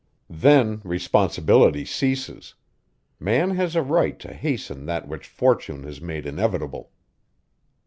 Then responsibility ceases; man has a right to hasten that which fortune has made inevitable.